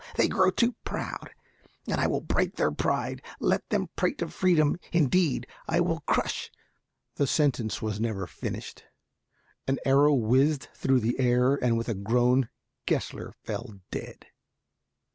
They grow too proud. But I will break their pride. Let them prate of freedom, indeed. I will crush " The sentence was never finished. An arrow whizzed through the air, and with a groan Gessler fell, dead.